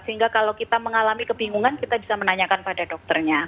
sehingga kalau kita mengalami kebingungan kita bisa menanyakan pada dokternya